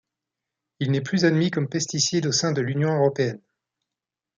Il n'est plus admis comme pesticide au sein de l'Union européenne.